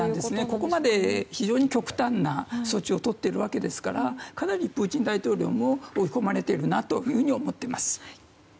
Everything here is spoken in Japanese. ここまで非常に極端な措置をとっているわけですからかなりプーチン大統領も追い込まれてると思っています。